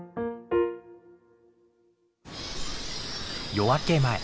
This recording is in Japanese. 夜明け前。